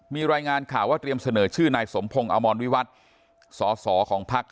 มีรายงานข่าวว่าเตรียมเสนอชื่อนายสมพงศ์อมรวิวัตรสอสอของพัก